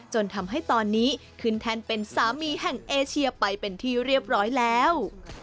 จนทำให้ตอนนี้ขึ้นแทนเป็นสามีแห่งเอเชียไปเป็นที่เรียบร้อยแล้ว